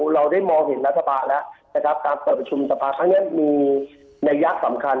เราได้มองเห็นรัฐบาลแล้วแต่ครับการเปิดสภาพข้างนี้มีนัยยักษ์สำคัญ